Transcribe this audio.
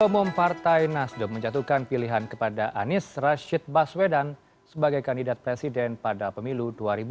pemom partai nasdem menjatuhkan pilihan kepada anis rashid baswedan sebagai kandidat presiden pada pemilu dua ribu dua puluh empat